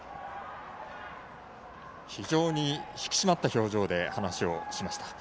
非常に引き締まった表情で話をしました。